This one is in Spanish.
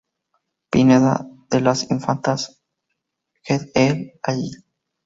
Pineda de las Infantas, G., et alii.